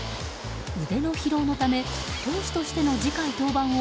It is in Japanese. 腕の疲労のため投手としての次回登板を